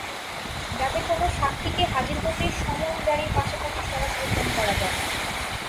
যাতে কোনো সাক্ষীকে হাজির হতে সমন জারির পাশাপাশি সরাসরি ফোন করা যায়।